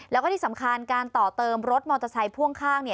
แล้วก็ที่สำคัญการต่อเติมรถมอเตอร์ไซค์พ่วงข้าง